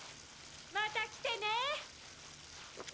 また来てね！